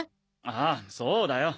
ああそうだよ。